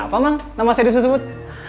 kenapa emang nama saya disusut